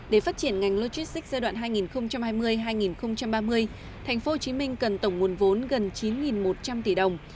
để phát triển ngành logistics giai đoạn hai nghìn hai mươi hai nghìn ba mươi tp hcm cần tổng nguồn vốn gần chín một trăm linh tỷ đồng